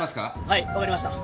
はい分かりました。